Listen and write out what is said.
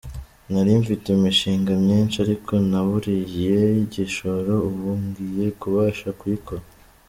Nari mfite imishinga myinshi ariko naburiye igishoro, ubu ngiye kubasha kuyikora.